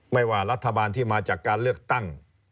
ไม่ว่ารัฐบาลที่มาจากการเลือกตั้ง